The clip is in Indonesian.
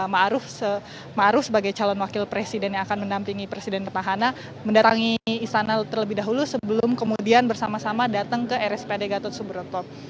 ma'aruf sebagai calon wakil presiden yang akan menampingi presiden petahana mendatangi istana terlebih dahulu sebelum kemudian bersama sama datang ke rsprd gatot subroto